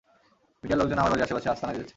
মিডিয়ার লোকজন আমার বাড়ির আশপাশে আস্তানা গেড়েছে।